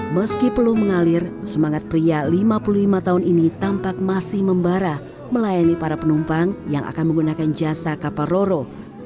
meski peluh mengalir semangat pria lima puluh lima tahun ini tampak masih membara melayani para penumpang yang akan menggunakan jasa kapal roro